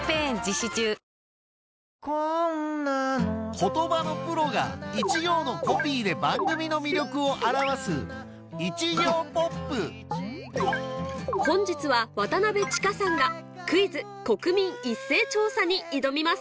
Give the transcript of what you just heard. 言葉のプロが一行のコピーで番組の魅力を表す本日は渡千佳さんが『クイズ！国民一斉調査』に挑みます